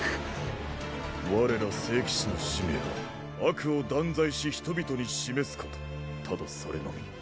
我ら聖騎士の使命は悪を断罪し人々に示すことただそれのみ。